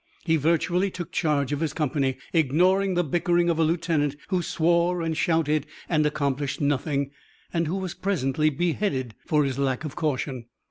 He virtually took charge of his company, ignoring the bickering of a lieutenant who swore and shouted and accomplished nothing and who was presently beheaded for his lack of caution.